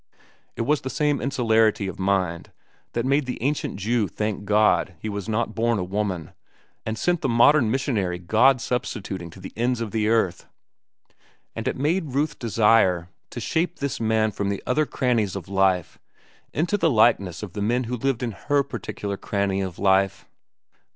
It was the same insularity of mind that made the ancient Jew thank God he was not born a woman, and sent the modern missionary god substituting to the ends of the earth; and it made Ruth desire to shape this man from other crannies of life into the likeness of the men who lived in her particular cranny of life.